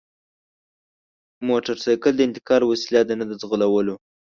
موټرسایکل د انتقال وسیله ده نه د ځغلولو!